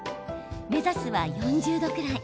目指すは４０度くらい。